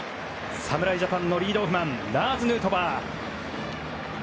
侍ジャパンのリードオフマンラーズ・ヌートバー。